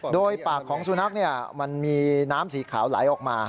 โดยปากของสุนัขมันมีน้ำสีขาวไหลออกมา